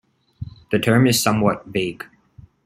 The term is somewhat vague.